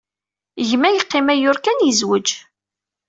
Gma yeqqim ayyur kan, yezweǧ.